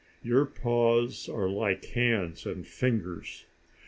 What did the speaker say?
Your paws are like hands and fingers.